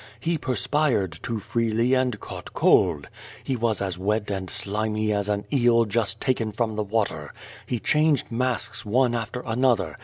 He perspired too freely and caught cold. He was as wet and slimy as an eel just taken from the water. He changed masks one after another.